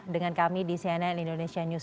dengan kami di cnn indonesia newsro